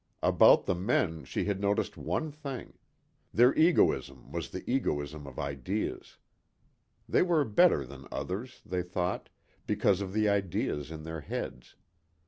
About the men she had noticed one thing. Their egoism was the egoism of ideas. They were better than others, they thought, because of the ideas in their heads.